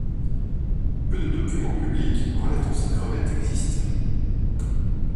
Peu de documents publics relatant cette crevette existent.